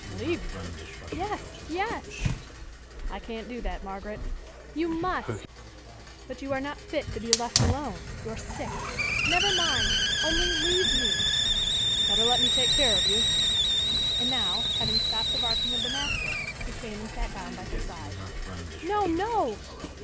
"Leave you?" "Yes! yes!" "I can't do that, Margaret." "You must!" "But you are not fit to be left alone. You're sick." "Never mind only leave me!" "Better let me take care of you." And now, having stopped the barking of the mastiff, he came and sat down by her side. "No! no!"